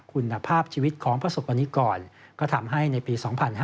คุณภาพชีวิตของประสบกรณิกรก็ทำให้ในปี๒๕๕๙